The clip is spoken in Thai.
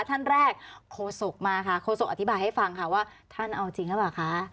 ท่านแรกโคศกมาค่ะโฆษกอธิบายให้ฟังค่ะว่าท่านเอาจริงหรือเปล่าคะ